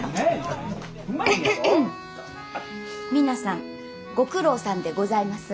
皆さんご苦労さんでございます。